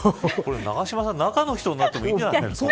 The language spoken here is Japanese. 永島さん、中の人になってもいいんじゃないの。